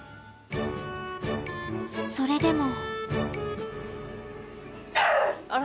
それでも。